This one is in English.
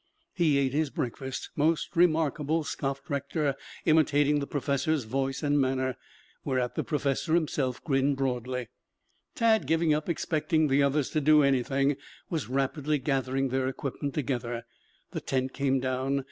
"He ate his breakfast. Most remarkable," scoffed Rector, imitating the professor's voice and manner, whereat the professor himself grinned broadly. Tad, giving up expecting the others to do anything, was rapidly gathering their equipment together. The tent came down.